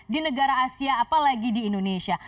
di negara asia apalagi di indonesia